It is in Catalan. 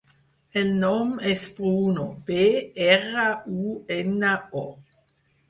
El nom és Bruno: be, erra, u, ena, o.